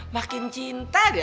makin cinta deh